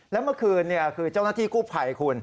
และเมื่อคืนเนี่ยคือเจ้าหน้าที่กู้ไผ่คุณ